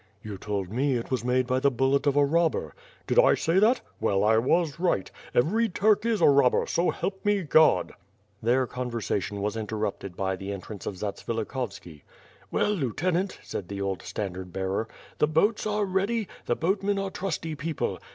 "You told me it was made by the bullet of a robber." "Did I say that? Well, I was right. Every Turk is a robber, so help me God." There conversation was interrupted by the entrance of Zatsvilikhovski: "Well, lieutenant," said the old standard bearer. "The boats are ready. The boatmen are trusty people.